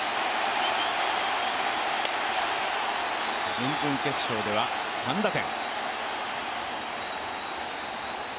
準々決勝から３打点。